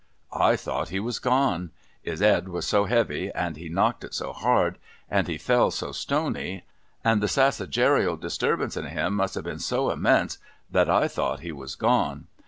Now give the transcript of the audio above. I thought he was gone. His Ed was so heavy, and he knocked it so hard, and he fell so stoney, and the sassagerial disturbance in THE DWARFS LAST TOUR 193 him must have been so immense, that I thought he was gone.